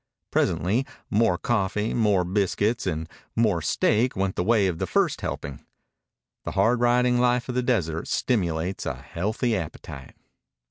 Presently more coffee, more biscuits, and more steak went the way of the first helping. The hard riding life of the desert stimulates a healthy appetite.